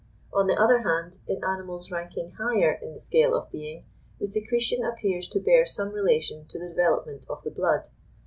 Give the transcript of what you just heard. On the other hand, in animals ranking higher in the scale of being, the secretion appears to bear some relation to the development of the blood.